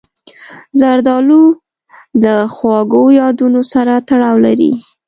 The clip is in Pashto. زردالو له خواږو یادونو سره تړاو لري.